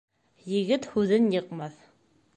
Егет һүҙен йыҡмаҫ.